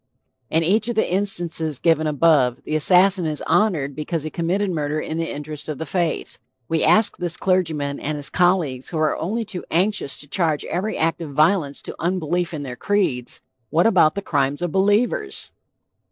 In each of the instances given above, the assassin is honored because he committed murder in the interest of the faith. We ask this clergyman and his colleagues who are only too anxious to charge every act of violence to unbelief in their creeds What about the crimes of believers?